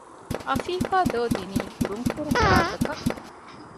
އަފީފާ ދޯ ދިނީ ރުންކުރު ރާގަކަށް